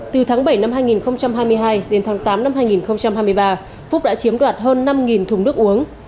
từ tháng bảy năm hai nghìn hai mươi hai đến tháng tám năm hai nghìn hai mươi ba phúc đã chiếm đoạt hơn năm thùng nước uống